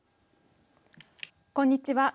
こんにちは。